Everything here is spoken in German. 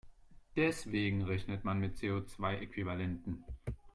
Deswegen rechnet man mit CO-zwei-Äquivalenten.